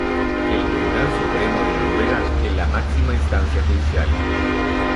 El Tribunal Supremo de Noruega es la máxima instancia judicial.